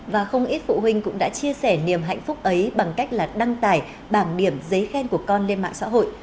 và không ít phụ huynh cũng đã chia sẻ niềm hạnh phúc ấy bằng cách là đăng tải bảng điểm giấy khen của con lên mạng xã hội